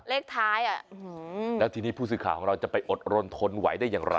เลขท้ายแล้วทีนี้ผู้สื่อข่าวของเราจะไปอดรนทนไหวได้อย่างไร